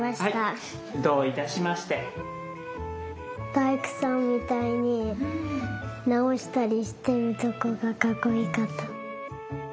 だいくさんみたいになおしたりしてるとこがかっこいかった。